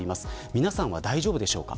皆さんは、大丈夫でしょうか。